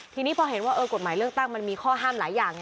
ทีนี้พอเห็นว่ากฎหมายเลือกตั้งมันมีข้อห้ามหลายอย่าง